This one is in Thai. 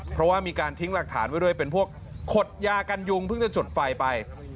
เพราะว่ามีการทิ้งหลักฐานไว้ด้วยเป็นพวกขดยากันยุงเพิ่งจะจุดไฟไป